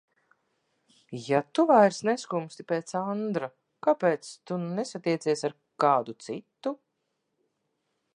Ja tu vairs neskumsti pēc Andra, kāpēc tu nesatiecies ar kādu citu?